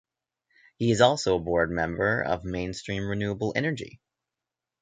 He is also a Board Member of Mainstream Renewable Energy.